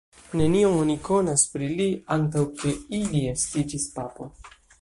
Nenion oni konas pri li antaŭ ke ili estiĝis papo.